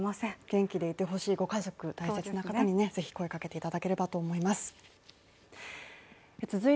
元気でいてほしいご家族、大切な方にぜひ、声をかけていただければと思います。